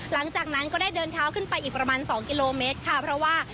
หลังจากนั้นก็ได้เดินเท้าขึ้นไปอีกประมาณสองกิโลเมตรค่ะเพราะว่า